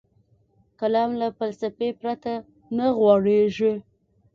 کلام له فلسفې پرته نه غوړېږي.